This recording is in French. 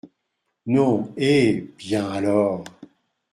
Non ! eh ! bien, alors ?